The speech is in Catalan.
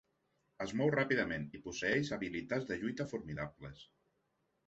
Es mou ràpidament i posseïx habilitats de lluita formidables.